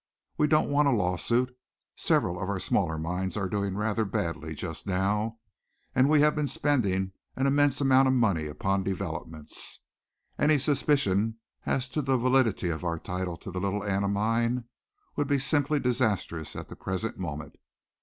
We don't want a lawsuit. Several of our smaller mines are doing rather badly just now, and we have been spending an immense amount of money upon developments. Any suspicion as to the validity of our title to the Little Anna Mine would be simply disastrous at the present moment.